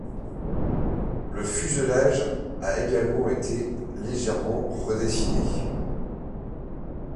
Le fuselage a également été légèrement redessiné.